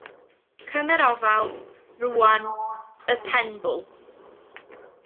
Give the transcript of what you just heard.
Cymer ofal, rwan, y penbwl!